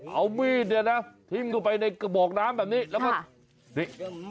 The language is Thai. เอามีดเนี่ยนะทิ้งออกไปในกระบอกน้ำแบบนี้